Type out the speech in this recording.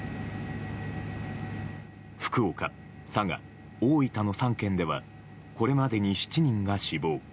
福岡、佐賀、大分の３県ではこれまでに７人が死亡。